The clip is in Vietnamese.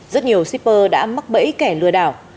rất nhiều shipper đã mắc bẫy kẻ lừa đảo